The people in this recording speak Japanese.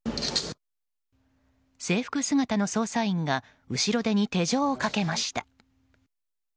制服姿の捜査員が後ろ手に手錠をかけました。